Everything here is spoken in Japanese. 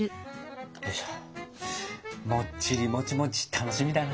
もっちりもちもち楽しみだな！